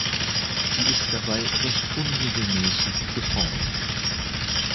Sie ist dabei recht unregelmäßig geformt.